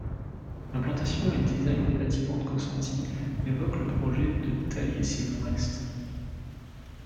L’implantation et le design des bâtiments de Cosanti évoquent le projet de Taliesin West.